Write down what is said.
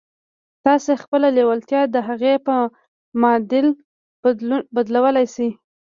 تاسې خپله لېوالتیا د هغې په معادل بدلولای شئ